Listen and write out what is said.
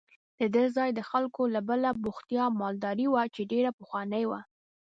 د دې ځای د خلکو بله بوختیا مالداري وه چې ډېره پخوانۍ وه.